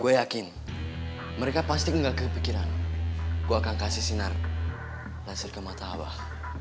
gue yakin mereka pasti nggak kepikiran gue akan kasih sinar langsung ke mata abah